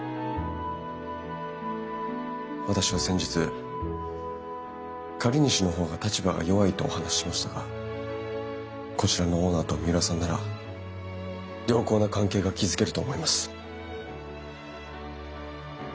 私は先日借り主の方が立場が弱いとお話ししましたがこちらのオーナーと三浦さんなら良好な関係が築けると思います。